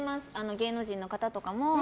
芸能人の方とかも。